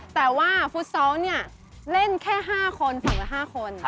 แต่ว่าฟุตซอลเนี่ยเล่นแค่๕คนฝั่งละ๕คน